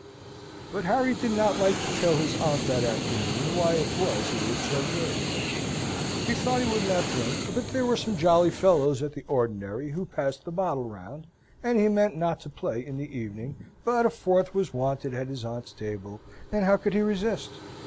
But Harry did not like to tell his aunt that afternoon why it was he looked so grave. He thought he would not drink, but there were some jolly fellows at the ordinary who passed the bottle round; and he meant not to play in the evening, but a fourth was wanted at his aunt's table, and how could he resist?